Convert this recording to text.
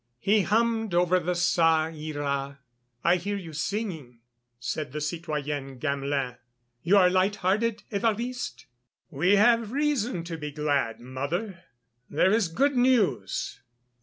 He hummed over the Ça ira. "I hear you singing," said the citoyenne Gamelin; "you are light hearted, Évariste?" "We have reason to be glad, mother; there is good news.